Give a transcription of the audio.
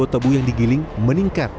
dan tebu tebu yang digiling meningkat